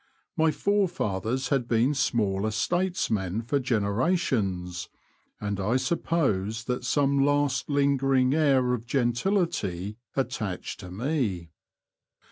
(My forefathers had been small estatesmen for generations, and I suppose that some last lingering air of gentility at tached to me).